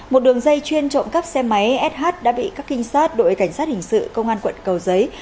một đường dây chuyên trộm cắp xe máy sh đã bị các trinh sát đội cảnh sát hình sự công an quận cầu giấy